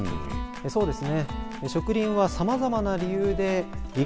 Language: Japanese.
そうですね。